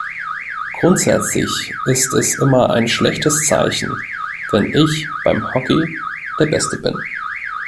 Grundsätzlich ist es immer ein schlechtes Zeichen, wenn ich beim Hockey der Beste bin.